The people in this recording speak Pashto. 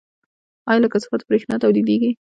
آیا له کثافاتو بریښنا تولیدیږي؟